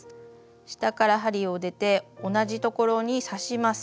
下から針を出て同じところに刺します。